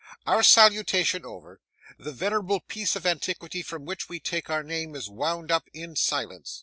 Our salutation over, the venerable piece of antiquity from which we take our name is wound up in silence.